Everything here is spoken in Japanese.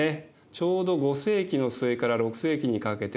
ちょうど５世紀の末から６世紀にかけてはですね